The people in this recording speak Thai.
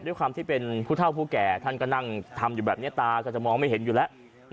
ด้วยความที่เป็นผู้เท่าผู้แก่ท่านก็นั่งทำอยู่แบบนี้ตาก็จะมองไม่เห็นอยู่แล้ว